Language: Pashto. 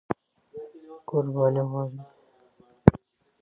قرباني غواړي.